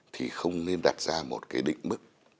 thì không nên đặt ra một cái định mức